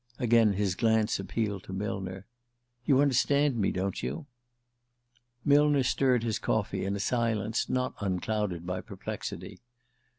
Again his glance appealed to Millner. "_ You_ understand me, don't you?" Millner stirred his coffee in a silence not unclouded by perplexity.